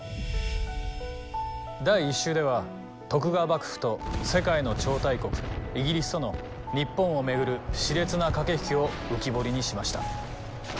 第１集では徳川幕府と世界の超大国イギリスとの日本を巡るしれつな駆け引きを浮き彫りにしました。